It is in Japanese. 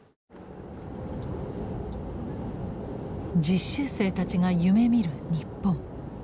実習生たちが夢みる日本。